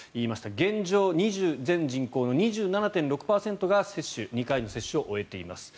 現状、全人口の２７．６％が２回の接種を終えています。